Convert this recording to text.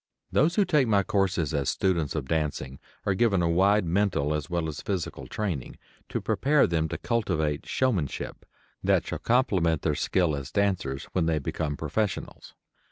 Those who take my courses as students of dancing are given a wide mental as well as physical training, to prepare them to cultivate showmanship that shall complement their skill as dancers when they become professionals.